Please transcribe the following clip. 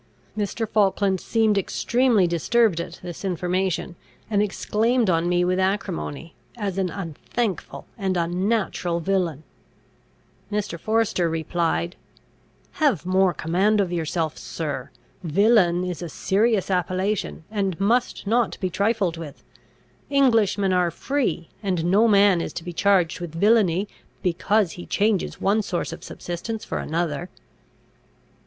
Mr. Falkland seemed extremely disturbed at this information, and exclaimed on me with acrimony, as an unthankful and unnatural villain. Mr. Forester replied, "Have more command of yourself, sir! Villain is a serious appellation, and must not be trifled with. Englishmen are free; and no man is to be charged with villainy, because he changes one source of subsistence for another."